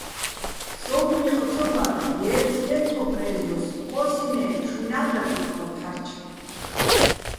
სოუ̆ბო̆ ნიყ ცო ბარ, ჲე́რწჲიენი̆ თოფ რე́ზოს, ჴო́სინე́ შუჲნა́ დატიჼ ო ფჰ̦არჩ.